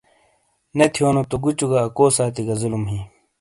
نے تھیونوتو گوچوگہ اکو ساتی گہ ظلم ہی ۔